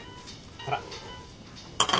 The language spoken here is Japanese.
ほら。